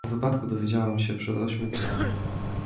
"O wypadku dowiedziałam się przed ośmiu dniami."